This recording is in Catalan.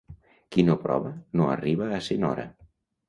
Qui no prova no arriba a ser nora.